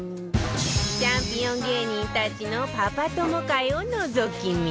チャンピオン芸人たちのパパ友会をのぞき見